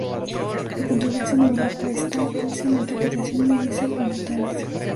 La controversia en Europa está, pues, en la interpretación de ese "como tales".